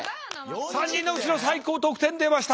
３人のうちの最高得点出ました